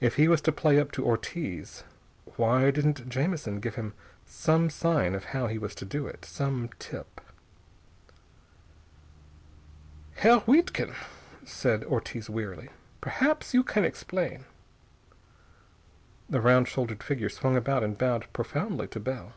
If he was to play up to Ortiz, why didn't Jamison give him some sign of how he was to do it? Some tip.... "Herr Wiedkind," said Ortiz wearily, "perhaps you can explain." The round shouldered figure swung about and bowed profoundly to Bell.